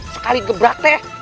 sekali gebrak tersgitu